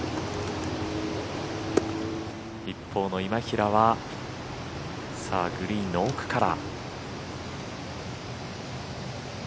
一方の今平はグリーンの奥から。